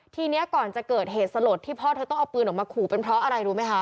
ทีนี้ก่อนจะเกิดเหตุสลดที่พ่อเธอต้องเอาปืนออกมาขู่เป็นเพราะอะไรรู้ไหมคะ